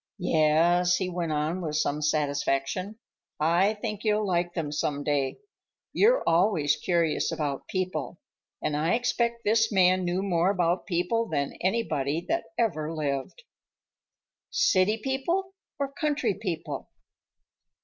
"Yes," he went on with some satisfaction, "I think you'll like them some day. You're always curious about people, and I expect this man knew more about people than anybody that ever lived." "City people or country people?"